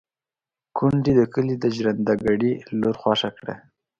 کونډې د کلي د ژرنده ګړي لور خوښه کړه.